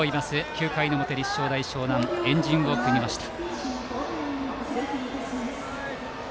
９回の表立正大淞南円陣を組みました。